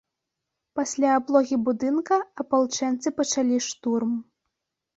Пасля аблогі будынка апалчэнцы пачалі штурм.